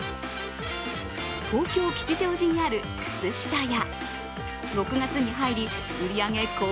東京・吉祥寺にある靴下屋。